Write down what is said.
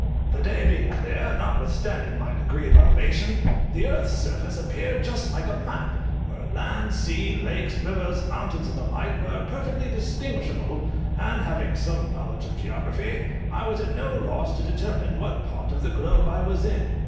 The day being clear, notwithstanding my degree of elevation, the earth's surface appeared just like a map, where land, sea, lakes, rivers, mountains, and the like were perfectly distinguishable; and having some knowledge of geography, I was at no loss to determine what part of the globe I was in.